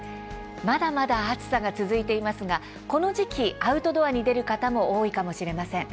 まだまだ暑さが続いていますがこの時期アウトドアに出る方も多いかもしれません。